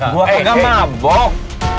gue gak mabuk